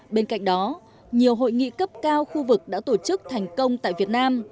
bên cạnh đó nhiều hội nghị cấp cao khu vực đã tổ chức thành công tại việt nam